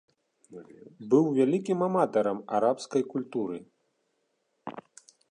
Быў вялікім аматарам арабскай культуры.